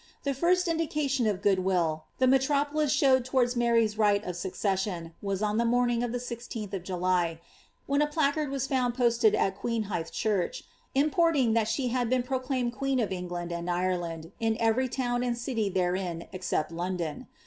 The first indication of good will, the metropolis showed towards Mar}* s right of succession, was on the morning of the Ifith of July, when a placard was found posted on Queenhithe Church, importing that she had been proclaimed queen of England and Ireland, in every town and city therein excepting London.